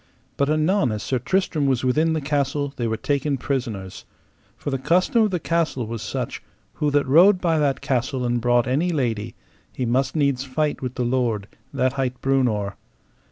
But anon as Sir Tristram was within the castle they were taken prisoners; for the custom of the castle was such; who that rode by that castle and brought any lady, he must needs fight with the lord, that hight Breunor.